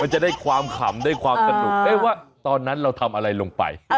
จะได้ความขำได้ความสนุกว่าตอนนั้นเราทำอะไรลงไป